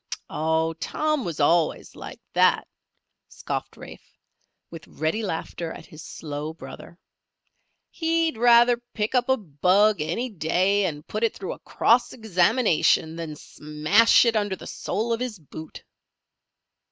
"Oh, Tom was always like that," scoffed Rafe, with ready laughter at his slow brother. "He'd rather pick up a bug any day and put it through a cross examination, than smash it under the sole of his boot."